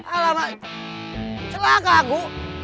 alamak celaka aku